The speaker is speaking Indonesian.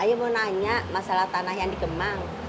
ayah mau nanya masalah tanah yang dikembang